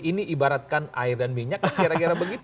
ini ibaratkan air dan minyak kira kira begitu